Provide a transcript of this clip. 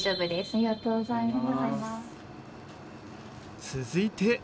ありがとうございます。